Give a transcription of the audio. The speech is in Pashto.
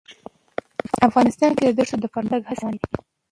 افغانستان کې د ښتې د پرمختګ هڅې روانې دي.